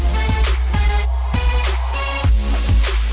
udah gak apa apa kali bos